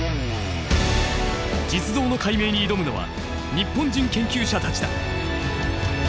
実像の解明に挑むのは日本人研究者たちだ。